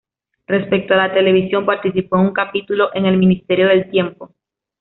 Respecto a la televisión, participó en un capítulo en "El ministerio del tiempo".